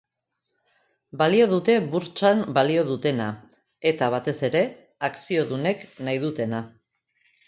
Balio dute burtsan balio dutena, eta batez ere, akziodunek nahi dutena.